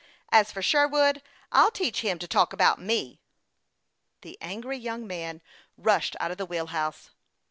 As for Sherwood, I'll teach him to talk about me !" The angry young man rushed out of the wheel house.